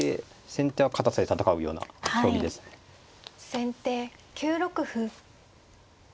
先手９六歩。